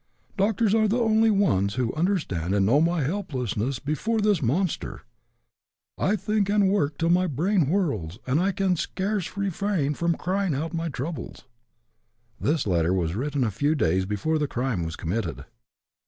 Doctors are the only ones who understand and know my helplessness before this monster. I think and work till my brain whirls, and I can scarce refrain from crying out my troubles." This letter was written a few days before the crime was committed.